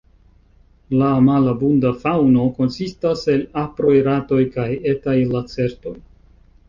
La malabunda faŭno konsistas el aproj, ratoj kaj etaj lacertoj.